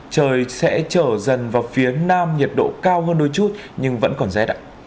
trời sẽ trở dần vào phía nam nhiệt độ cao hơn đôi chút nhưng vẫn còn rét ạ